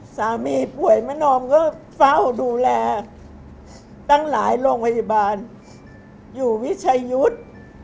สามีป่วยมะนอมก็เฝ้าดูแลตั้งหลายโรงพยาบาลอยู่วิชัยยุทธ์